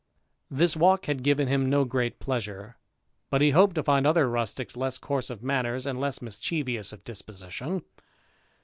This walk had given him no great pleasiure ; but he hoped to find other rusticks less coarse of manners, and less mischievous of disposition.